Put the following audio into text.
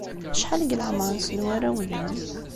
Acḥal deg leɛmeṛ-nsen warraw-nnem?